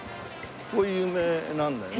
ここ有名なんだよね